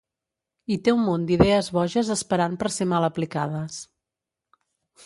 I té un munt d'idees boges esperant per ser mal aplicades.